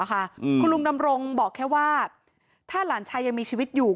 คุณลุงดำรงบอกแค่ว่าถ้าหลานชายยังมีชีวิตอยู่